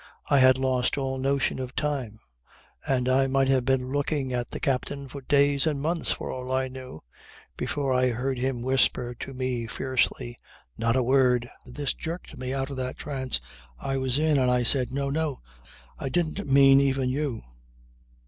I had lost all notion of time, and I might have been looking at the captain for days and months for all I knew before I heard him whisper to me fiercely: "Not a word!" This jerked me out of that trance I was in and I said "No! No! I didn't mean even you."